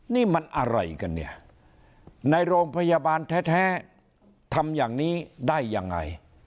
นี่มันอะไรกันเนี่ยในโรงพยาบาลแท้ทำอย่างนี้ได้ยังไง